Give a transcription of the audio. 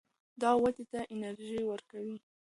دا دوی ته انرژي ورکوي.